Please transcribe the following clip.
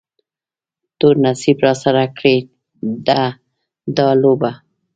تور نصیب راسره کړې ده دا لوبه